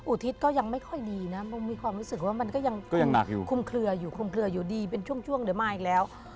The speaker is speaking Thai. อุทิศก็ยังไม่ค่อยดีนะมันมีความรู้สึกว่ามันคุ้มเคลืออยู่ดีเป็นช่วงเดี๋ยวมาอีกแล้ว